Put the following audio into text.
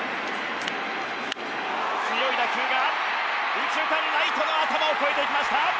強い打球が右中間ライトの頭を越えていきました！